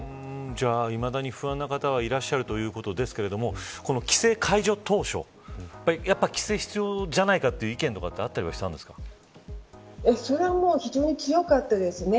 じゃあ、いまだに不安な方はいらっしゃるということですけれどもこの規制解除当初やっぱり規制が必要じゃないかという意見ってそれはもう非常に強かったですね。